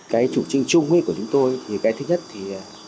cái chủ trương chung của chúng tôi thì cái thứ nhất thì